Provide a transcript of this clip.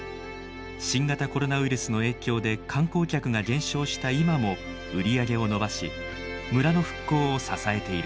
新型コロナウイルスの影響で観光客が減少した今も売り上げを伸ばし村の復興を支えている。